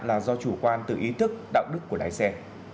là do chủ quan từ ý thức đạo đức của lái xe